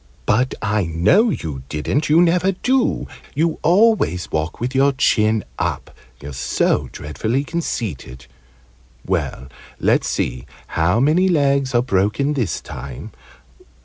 "But I know you didn't! You never do! You always walk with your chin up you're so dreadfully conceited. Well, let's see how many legs are broken this time.